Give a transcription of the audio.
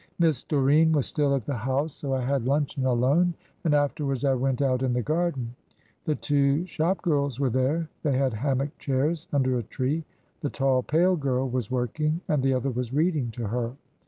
Miss Doreen was still at the House, so I had luncheon alone, and afterwards I went out in the garden. The two shop girls were there; they had hammock chairs under a tree. The tall, pale girl was working, and the other was reading to her.